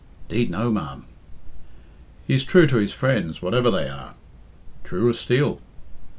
"'Deed no, ma'am." "He's true to his friends, whatever they are." "True as steel."